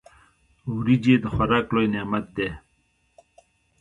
وريجي د خوراک لوی نعمت دی.